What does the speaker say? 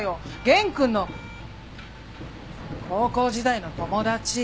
源くんの高校時代の友達。